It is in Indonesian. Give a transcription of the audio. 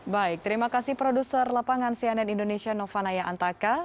baik terima kasih produser lapangan cnn indonesia novanaya antaka